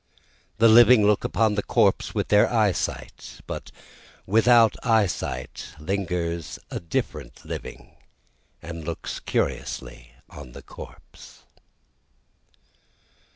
The living look upon the corpse with their eyesight, But without eyesight lingers a different living and looks curiously on the corpse.